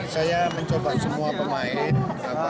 saya mencoba semua pemain